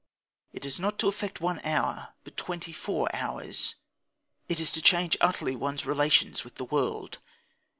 It is not to affect one hour, but twenty four hours. It is to change utterly one's relations with the world.